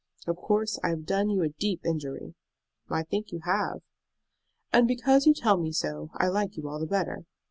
Of course I have done you a deep injury." "I think you have." "And because you tell me so I like you all the better.